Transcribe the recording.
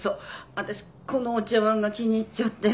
私このお茶わんが気に入っちゃって。